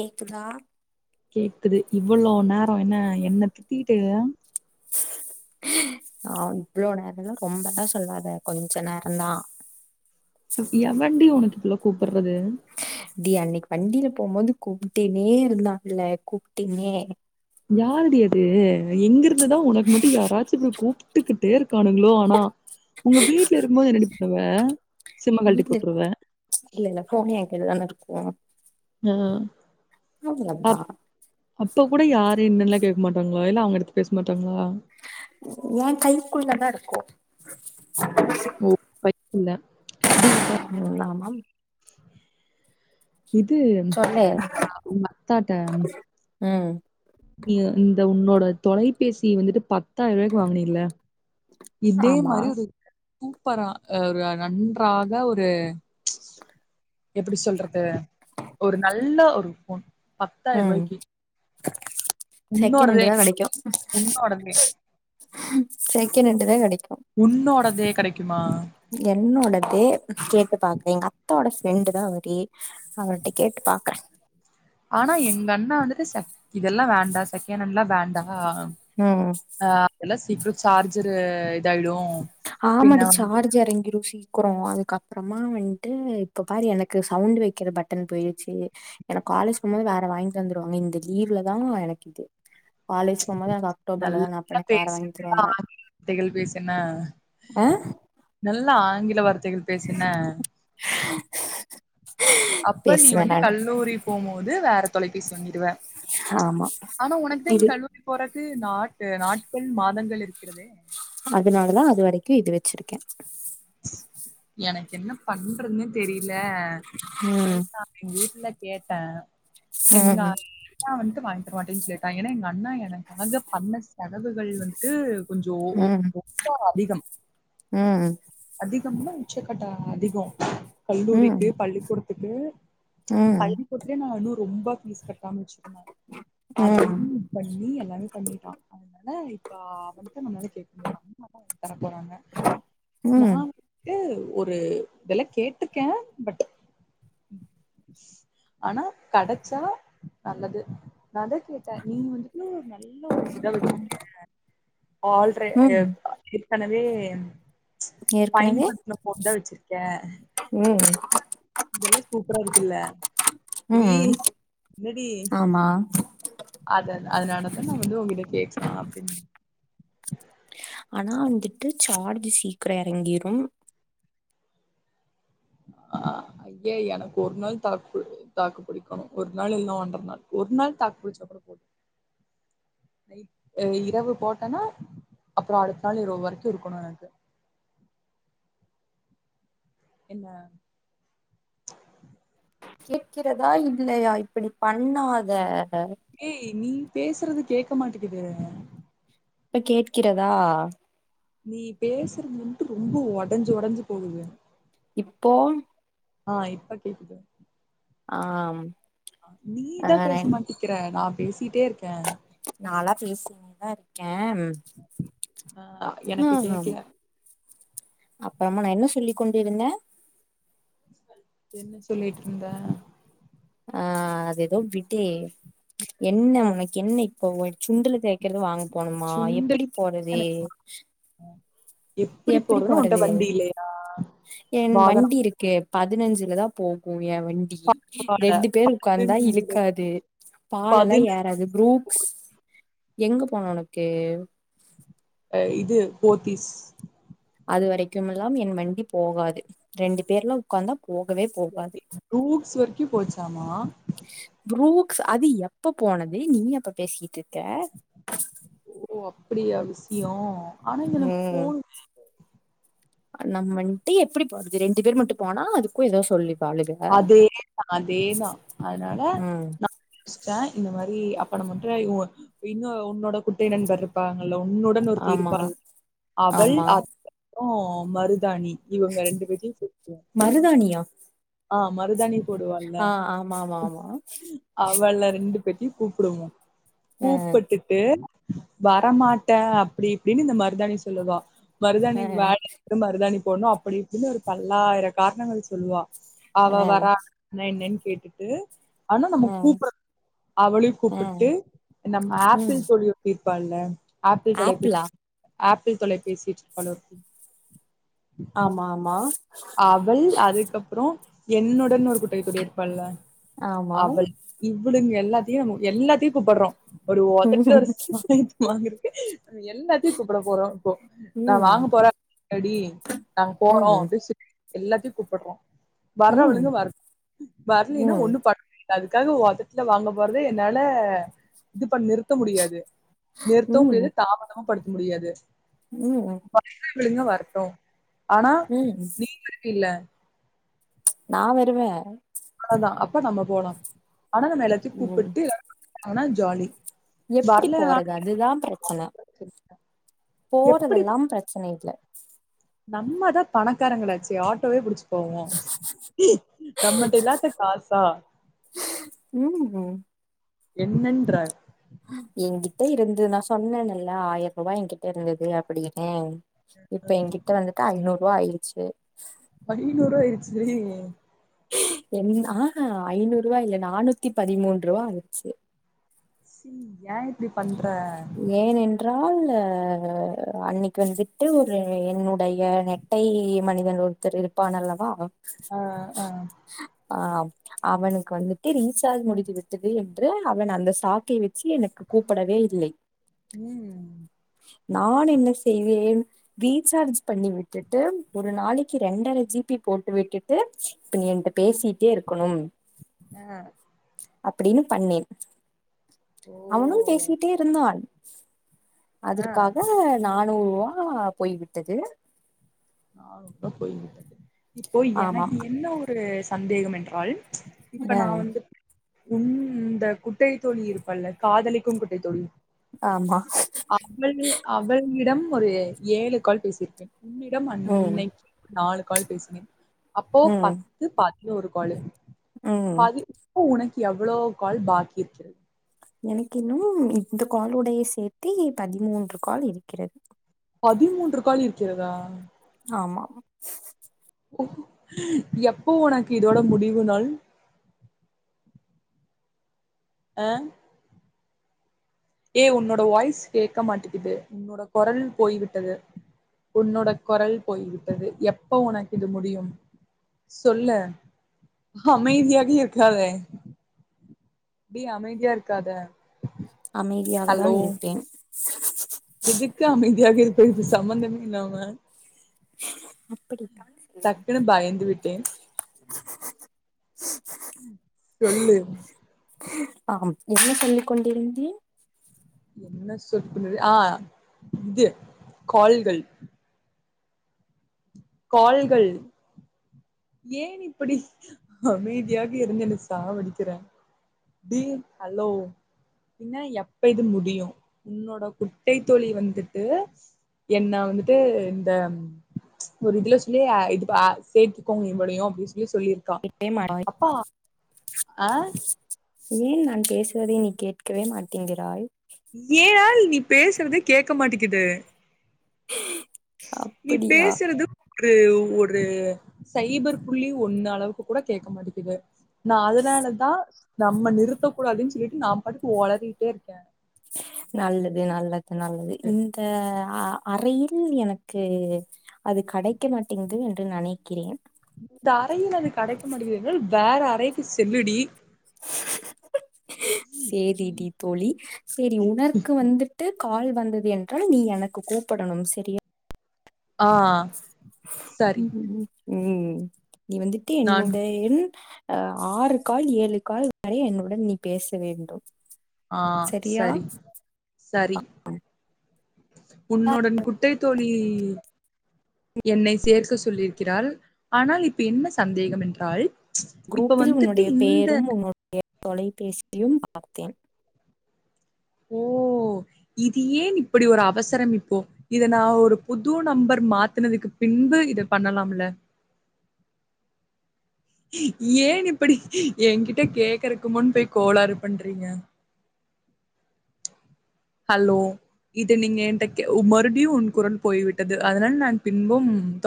கேக்குதா கேக்குது இவ்வளோ நேரோ என்ன என்ன திட்டிட்டு ஆ இவ்ளோ நேரோல்லா ரொம்பதா சொல்லாத கொஞ்ச நேர தா எவன்டி உனக்கு இப்பல்லா கூப்புறது டி அன்னைக்கு வண்டில போம்போது கூப்பிட்டுன்னே இருந்தான்ல கூப்டுனே யாருடி அது எங்கிருந்துதா உனக்கு மட்டு யாராச்சு இப்டி கூப்டுக்கிட்டே இருக்கானுங்ளோ ஆனா உங்க வீட்ல இருக்கும்போது என்னடி பண்ணுவ சிம்ம கழட்டி வீட்ல இரு போட்ருவ இல்ல இல்ல போனு ஏ கைல தான இருக்கு ம் அவ்ளவுதா அப்ப கூட யாரு என்னெல்லா கேக்க மாட்டாங்ளா இல்ல அவங்க எடுத்து பேச மாட்டாங்ளா ஏ கைக்குள்ள தா இருக்கு ஓ கைக்குள்ள டி இப்ப பன்லாமா இது சொல்லு உங்க அத்தாட்ட ம் நீ இந்த உன்னோட தொலைபேசிய வந்துட்டு பத்தாயிர ரூவாய்க்கு வாங்குனீல்ல இதே ஆமா மாரி ஒரு சூப்பரா அ க நன்றாக ஒரு எப்டி சொல்றது ஒரு நல்ல ஒரு போன் பத்தாயிர ம் ரூவாய்க்கு செகண்ட் உன்னோடதே ஹேண்டு தா உன்னோடதே செகணன்டு தா கடைக்கு உன்னோடதே கடைக்குமா என்னோடதே கேட்டு பாக்குறே எங்க அபத்தாவோட ஃப்ரெண்டு தா அவரு அவர்ட்ட கேட்டு பாக்கற ஆனா எங்க அண்ணா வந்துட்டு செ இதெல்லா வேண்டா செகணட்ண்டு எல்லா வேண்டா ம் ஆ அதெல்லா சீக்கிரோ சார்ஜரு இதாயிடு ஆமாடி சார்ஜ சார்ஜ் எறங்கிரு சீக்கிரோ அதுக்கப்பறமா வன்ட்டு இப்போ பாரு எனக்கு சவுண்ட் வைக்கிற பட்டன் போயிடுச்சு எனக்கு காலேஜ் போம்போது வேற வாங்கி தந்துருவாங்க இந்த லீவ்ல தா எனக்கு இது காலேஜ் போம்போது எனக்கு அக்டோபர்ல தா நா அப்ப எனக்கு வேற வாங்கி தருவாங்க தட்டைகள் வீசுன ஆ நல்லா ஆங்கில வார்த்தைகள் பேசு என்ன அப்ப நீ பேசுவே வந்து நானு கல்லூரி போம்போது வேற தொலைபேசி வாங்கிடுவ ஆமா ஆனா உனக்குதா இது கல்லூரி போறக்கு நாட்டு நாட்கள் மாதங்கள் இருக்கிறதே அதனாலதா அது வரைக்கி இது வச்சிருக்க எனக்கு என்ன பண்றதுனே தெரில ம் வீட்ல கேட்ட எங்க ம் நா வந்துட்டு வாங்தர மாட்டே சொல்லிட்டா ஏன்னா எங்க அண்ண எனக்காக பண்ண செலவுகள் வந்து ட்டு கொஞ்சோ ஒ ம் ஒப்பா அதிகம் ம் அதிகம்னா உச்சக்கட்ட அ அதிகோ கல்லூரிக்கு ம் பள்ளிக்கூடத்துக்கு ம் பள்ளிக்கூடத்லே நா இன்னு ரொம்ப பீஸ் கட்டாமூச்சின ம் அதியு பண்ணி எல்லாமே பண்ணிட்டா அ அதனால இப்ப அவன்ட்ட நம்மால கேட்க முடியாதுதா அம்மாதா வாங்கி தர போறாங்க நா ம் வந்துட்டு ஒரு வெல கேட்ருக்கே பட் ஆனா கெடச்சா நல்லது நட கேட் ட நீங்க வந்துட்டு ஒரு நல்ல ஒரு இதுதா வச்சிருக்கே ஆல்றே ம் எம் ஆ ஏற்கனவே ஏற்கனவே பயன்படுத்துன கொண்ட வச்சிருக்கே ம் இதெல்லா சூப்பரா இருக்குல்ல ஈ ம் என்னடி ஆமா அத அதனால தா நா வந்து உங்கிட்ட கேக்லா அப்டின்னு ஆனா வந்துட்டு சார்ஜ் சீக்ர எறங்கீரும் ஆ ஐய எனக்கு ஒரு நாள் தாக்கு தாக்கு பிடிக்கணு ஒரு நாள் இல்ல ஒன்ற நாள் ஒரு நாள் தாக்கு பிடிச்சா கூடோ இரவு போட்டேன்னா அப்புற அடுத்த நாள் இரவு வரைக்கு இருக்கணு எனக்கு என்ன கேக்கிறதா இல்லயா இப்டி பண்ணாத ஏய் நீ பேசுறது கேக்க மாட்டிக்குது இப்ப கேக்கிறதா நீ பேசுறதுன்ட்டு ரொம்ப ஒடஞ்சு ஒடஞ்சு போகுது இப்போ ஆ இப்ப கேக்குது ஆம் ஆ நீதா பேச மாட்டிக்கிற நா பேசிட்டே இருக்க நாலா பேசிகிட்தா இருக்கே ஆ எனக்கு ஆ கேக்ல அப்புறமா நா என்ன சொல்லிக் கொண்டுருந்தே என்ன சொல்லிட்டு இருந்த ஆ அது எதோ விட்டே என்ன ஒனக்கு என்ன இப்போ ஒனக் சுண்டலு பே க்கிறது வாங்க போணுமா சுண்டல் எப்டி போறது எப்டி போறதுன்னு உன்ட்ட போறது வண்டி இல்லையா என் வாகனம் வண்டி இருக்கு பதினஞ்சுலதா போவ் வு எ வண்டி காண ரெண்டு பேர் உக்காந்தா இழுக்காது பாலலா பதினெ ஏறாது ப்ரூக்ஸ் எங்க போனு ஒனக்கு அ இது போத்திஸ் அது வரைக்கும் எல்லா என் வண்டி போகாது ரெண்டு பேர்லா உக்காந்தா போகவே போகாது ப்ரூக்ஸ் வரைக்கு போச்சாமா ப்ரூக்ஸ் அது எப்ப போனது நீ எப்ப பேசிட்டு இருக்க ஓ அப்டியா விஷயோ ஆனா எனக்கு போன் நம் வந்துட்டு எப்டி போறது ரெண்டு பேர் மட்டு போனா அதுக்கு ஏதாவது சொல்லு அதே தா அதே தா அதனால ம் நா ட்ட இந்த மாரி அப்ப நம்மட்ட ஒ இன்னு உன்னோட குட்டை நண்பர் பாங்கல உன்னுடன் ஒருத்தி ஆமா இருப்பாள் அவள் ஆமா அப் போ மருதாணி இவங்க ரெண்டு பேத்தையு சேத்துகுவாங்க மருதாணியா ஆ மருதாணி போடுவால்ல ஆ ஆமா ஆமா ஆமா அவள ரெண்டு பேத்தையு கூப்டுவோ ஆ கூப்புட்டுட்டு வரமாட்ட அப்டி இப்டின்னு இந்த மருதாணி சொல்லுவா ஆ மருதாணிக்கு வேற மருதாணி போடனு அப்படி இப்படின்னு ஒரு பல்லாயிர காரணங்கள் சொல்லுவா அவ ஆ வரா என்ன என்னன் கேட்டுட்டு ஆனா நம்ம ஆ கூப்ட அவளையு ஆ கூப்டுட்டு நம்ம ம் அப்பிள் தோழியு இர்பால்ல அப்பிள் தொலைபி ஆப்பிளா அப்பிள் தொலைபேசிட்ருப்பால ஒருத்தி ஆமா ஆமா அவள் அதுக்கப்புறோ என்னுடன் ஒரு குட்டை தோழி இருப்பால்ல ஆமா அவள் இவ்ளுங்க எல்லாத்தையு நம்ம எல்லாத்தையு கூப்பட்றோ ஒரு ஒதட்டுல ஒரு சாயத்த வாங்கறக்கு அவ எல்லாத்தையு கூப்ட போறோ இப்போ நா வாங்க ம் போற அடி நாங்க ம் போறோ ம் அப்டி சு எல்லாத்தையு கூப்புட்றோ வர்றவழுங்க ம் வர வரலன்னா ம் ஒண்ணு பன் அதுக்காக ஒதட்டுல வாங்க போறத என்னால இது பண் நிறுத்த முடியாது நிறுத்தவு முடியாது தாமதமு படுத்த முடியாது ம் வர்றவழுங்க வர்ட்டு ஆனா ம் ம் நீங்கனு இல்ல நா வருவ ஆமா அப்ப நம்ம போலா ஆனா நம்ம எல்லாத்தையு ம் கூப்புட்டு ஆனா ஜாலி எப்டி வரலனா போறது அதுதா ப்ரச்சன எப்டி போறதெல்லாம் பிரச்சன இல்ல நம்மதா பணக்காரங்களாச்சே ஆட்டோவே புடிச்சி போவோ நம்மட்ட இல்லாத காசா ம் ம் என்னென்ற எங்கிட்ட இருந்து நா சொன்னன் இல்லா ஆயிரூபா என்கிட்ட இருந்தது அப்டியினு இப்ப எங்கிட்ட வந்துட்டு ஐநூரூவா ஆய்டுச்சு ஐநூரூவா ஆயிருச்சி டி என் ஆஹா ஐநூரூவா இல்ல நானூத்தி பதிமூன் ரூவா ஆச்சு சிம் ஏ இப்டி பண்ற ஏன் என்றால் அன்னைக்கி வந்துட்டு ஒரு என்னுடைய ந அட்டை மனிதன் ஒருத்தர் இருப்பான் அல்லவா ஆ ஆ ஆ அத் அவனுக்கு வந்துட்டு ரீசார்ஜ் முடித்து விட்டது என்று அவன் அந்த சாக்கை வச்சி எனக்கு கூப்பிடவே இல்லை ம் நான் என்ன செய்வேன் ரீசார்ஜ் பண்ணி விட்டுட்டு ஒரு நாளைக்கி ரெண்டர ஜி பி போட்டு விட்டு டு இப்ப நீ என்ட்ட பேசிட்டே இருக்கணும் அ அப்டின்னு பண்ணேன் ஓ அவனு பேசிட்டே இருந்தான் ஆ அதற்காக நானூரூவா போய்விட்டது நான் ரம்ப பொய் இப்போ எனக்கு ஆமாம் என்ன ஒரு சந்தேகம் என்றால் இப்ப அ நா வந்து உன் இந்த குட்டை தோழி இருப்பால்ல காதலிக்கும் குட்டை தோழி ஆமா அவள் அவளிடம் ஒரு ஏழு கால் பேசியிருக்கே உன்னிடம் ம் அன்னைக்கு நாலு கால் பேசுனே அப்போ ம் பத்து பதினோரு காலு ம் பதி உனக்கு எவ்ளோ கால் பாக்கி இருக்கு எனக்கு இன்னும் இந்த கால் உடைய சேர்த்தி பதிமூன்று கால் இருக்கிறது பதிமூன்று கால் இருக்கிறதா ஆமா எப்போ உனக்கு இதோட முடிவு நாள் அ ஏ உன்னோட வாய்ஸ் கேக்க மாட்டிக்குது உன்னோட குரல் போய்விட்டது உன்னோட கொரல் போய்விட்டது எப்ப உனக்கு இது முடியு சொல்ல அமைதியாக இருக்காதே ஏ அமைதியா இருக்காத அமைதியாக தான் ஹலோ! இருப்பேன் எதுக்கு அமைதியாக இருப்ப இப்ப சம்பந்தமே இல்லாம அப்படி டக்குன்னு பயந்து விட்டேன் சொல்லு ஆம் என்ன சொல்லிக்கொண்டிருந்தேன் என்ன சொல்லிக்கொண் ஆ இது கால்கள் கால்கள் ஏன் இப்படி அமைதியாக இருந்து என்ன சாவடிக்கிற தி ஹலோ என்ன எப்ப இது முடியு உன்னோட குட்டை தோழி வந்துட்டு என்ன வந்துட்டு இந்த ஒரு இதுல சொல்லி ஆ இது அ சேத்து கோங்கயு முடியு அப்டி சொல்லி சொல்லிருக் எட்ட மாடாய் ஆ ஏன் நான் பேசுவதை நீ கேட்கவே மாட்டேங்கிறாய் ஏ ஆல் நீ பேசுறதே கேக்க மாட்டேங்குது நீ அப்படியா பேசுறதுப் ஒரு ஒரு சைபர் புள்ளி ஒன்னு அளவுக்கு கூட கேக்க மாட்டிக்குது நா அதனாலதா நம்ம நிறுத்த கூடாதுன் சொல்லிட்டு நா பாட்டுக்கு ஒலரிட்டே இருக்கே நல்லது நல்லது நல்லது இந்த அ அறையில் எனக்கு அது கடைக்க மாட்டேங்குது என்று நனைக்கிறேன் இந்த அறையில் அது கடைக்க மட்டகுதுனல் வேற அறைக்கு செல்லுடி செரி டி தோழி செரி உணர்க்கு வந்துட் டு கால் வந்தது என்றால் நீ எனக்கு கூப்பிடணும் சரியா ஆ சரி உம் ம் ம் நீ வந்துட்டு நான் என்னுடைய என் அ ஆறு கால் ஏழு கால் வரை என்னுடன் நீ பேச வேண்டும் ஆ சரியா சரி சரி உன்னுடன் குட்டை தோழி என்னை சேர்க்க சொல்லியிருக்கிறாள் ஆனால் இப்ப என்ன சந்தேகம் என்றால் இப்ப குரூப்பில் வந்துட்டு உன்னுடைய இந்த பேரும் உன்னுடைய தொலைபேசியும் பார்த்தேன் ஓ அ இது ஏன் இப்படி ஒரு அவசரம் இப்போ இத நா ஒரு புது நம்பர் மாத்தினதுக்கு பின்பு இத பண்ணலாம்ல அ ஏன் இப்படி ஏங்கிட்ட கேக்கறக்கு முன்பே கோளாறு பண்றீங்க ஹலோ இத நீங்க எண்ட மறுடியும் உன் குரல் போய் விட்டது அதனால நான் பின்பும் தொட